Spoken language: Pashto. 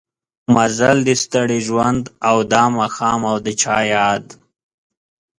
مزل د ستړي ژوند او دا ماښام او د چا ياد